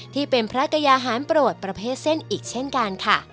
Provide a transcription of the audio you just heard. ที่เป็นภรรกยาหารปรดประเพศเส้นอีกเช่นกัน